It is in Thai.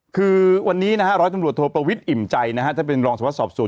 คือวันนี้นะฮะร้อยตำรวจโทรประวิทย์อิ่มใจจะเป็นรองสาวสอบส่วน